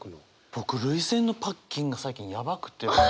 僕涙腺のパッキンが最近やばくて。